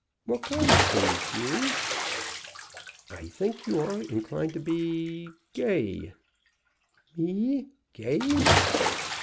"What kind of things, deary?" "I think you are inclined to be gay " "Me! gay!"